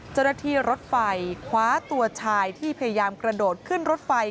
เจ้าหน้าที่รถไฟคว้าตัวชายที่พยายามกระโดดขึ้นรถไฟ